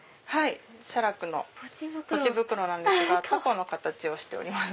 写楽のポチ袋なんですがたこの形をしております。